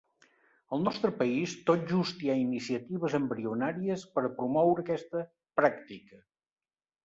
Al nostre país, tot just hi ha iniciatives embrionàries per a promoure aquesta pràctica.